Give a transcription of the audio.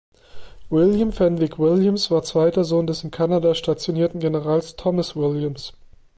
William Fenwick Williams war zweiter Sohn des in Kanada stationierten Generals Thomas Williams.